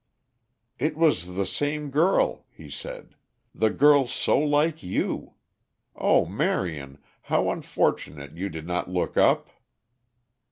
"It was the same girl," he said. "The girl so like you. Oh, Marion, how unfortunate you did not look up!"